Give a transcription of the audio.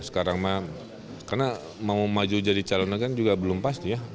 sekarang karena mau maju jadi calonnya juga belum pasti